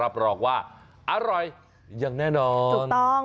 อารมณ์ของแม่ค้าอารมณ์การเสิรฟนั่งอยู่ตรงกลาง